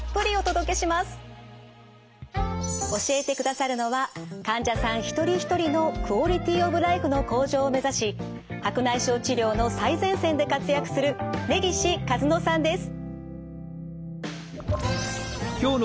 教えてくださるのは患者さん一人一人のクオリティー・オブ・ライフの向上を目指し白内障治療の最前線で活躍する根岸一乃さんです。